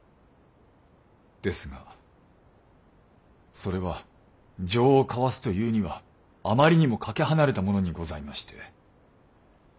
ですがそれは情を交わすというにはあまりにもかけ離れたものにございまして。